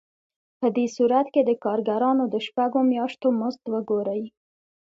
په دې صورت کې د کارګرانو د شپږو میاشتو مزد وګورئ